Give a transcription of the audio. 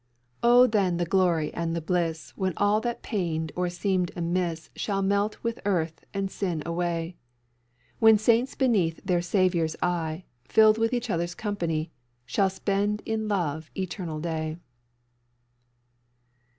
"Oh then the glory and the bliss When all that pained or seemed amiss Shall melt with earth and sin away! When saints beneath their Saviour's eye, Filled with each other's company, Shall spend in love the eternal day!"